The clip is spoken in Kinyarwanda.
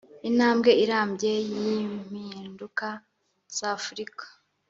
intambwe irambye y’impinduka za Afurika